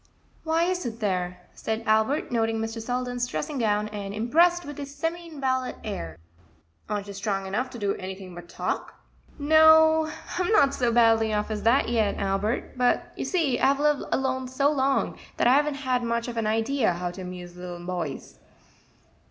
"Why isn't there?" said Albert, noting Mr. Selden's dressing gown, and impressed with his semi invalid air; "aren't you strong enough to do anything but talk?" "No, I'm not so badly off as that yet, Albert; but you see I've lived alone so long; that I haven't much of an idea how to amuse little boys."